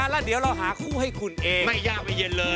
แล้วเดี๋ยวเราหาคู่ให้คุณเองไม่ยากไม่เย็นเลย